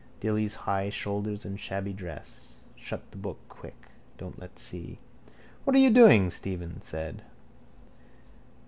Dilly's high shoulders and shabby dress. Shut the book quick. Don't let see. —What are you doing? Stephen said.